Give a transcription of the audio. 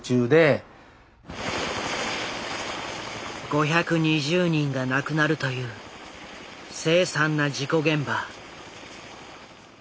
５２０人が亡くなるという凄惨な事故現場。